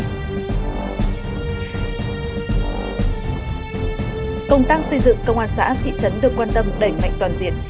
công tác xây dựng công an xã thị trấn được quan tâm đẩy mạnh toàn diện